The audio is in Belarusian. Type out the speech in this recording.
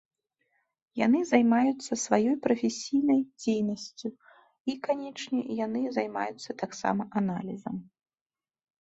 Яны займаюцца сваёй прафесійнай дзейнасцю, і, канечне, яны займаюцца таксама аналізам.